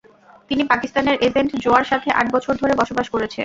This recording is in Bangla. তিনি পাকিস্তানের এজেন্ট জোয়ার সাথে আট বছর ধরে বসবাস করেছে।